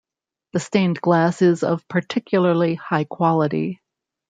The stained glass is of particularly high quality.